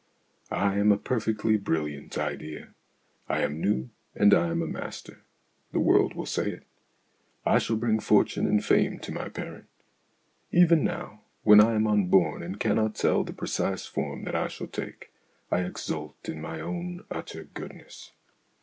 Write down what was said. I am a perfectly brilb'ant idea. I am new, and I am a master ; the world will say it. I shall bring fortune and fame to my parent. Even now when I am unborn and cannot tell the precise form that I shall take I exult in my own utter goodness.